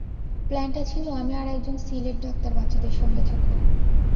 প্ল্যানটা ছিল আমি আর একজন সিলের ডাক্তার বাচ্চাদের সঙ্গে থাকবো।